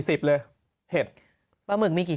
เช็ดแรงไปนี่